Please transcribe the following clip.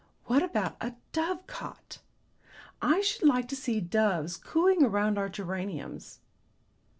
What about a dove cot? I should like to see doves cooing round our geraniums."